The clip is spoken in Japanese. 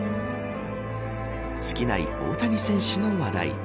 尽きない大谷選手の話題。